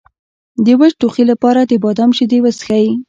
د وچ ټوخي لپاره د بادام شیدې وڅښئ